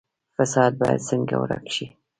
فساد باید څنګه ورک شي؟